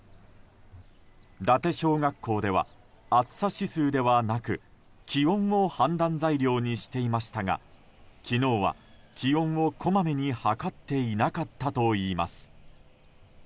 伊達小学校では暑さ指数ではなく気温を判断材料にしていましたが昨日は気温をこまめに測っていなかったといいます。